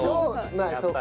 まあそうか。